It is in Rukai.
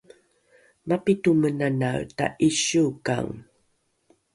mapito menanae ta’isiokang